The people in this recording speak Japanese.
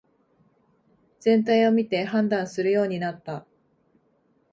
全体を見て判断するようになった